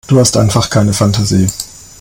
Du hast einfach keine Fantasie.